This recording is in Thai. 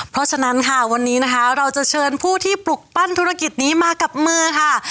เพราะฉะนั้นค่ะวันนี้นะคะเราจะเชิญผู้ที่ปลุกปั้นธุรกิจนี้มากับมือค่ะ